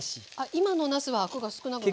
今のなすはアクが少なくなってる。